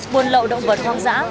buôn lậu động vật hoang dã